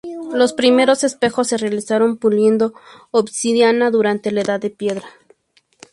Los primeros espejos se realizaron puliendo obsidiana durante la Edad de Piedra.